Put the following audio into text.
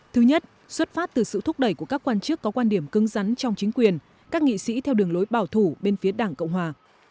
thứ nhất xuất phát từ sự thúc đẩy của các quan chức có quan điểm cưng rắn trong chính quyền các nghị sĩ theo đường lối bảo thủ bên phía đảng cộng hòa